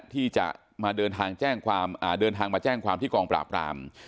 ที่จะมาเดินทางแจ้งความเดินทางมาแจ้งความที่กองปราบราม